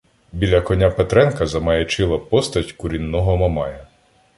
Біля коня Петренка замаячила постать курінного Мамая.